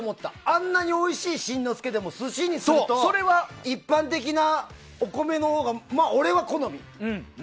あんなにおいしい新之助でも寿司にすると一般的なお米のほうが俺は好み。